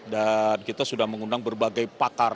dan kita sudah mengundang berbagai pakar